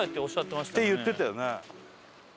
って言ってたよね。